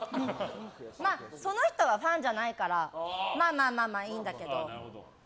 まあ、その人はファンじゃないからまあまあ、いいんだけど。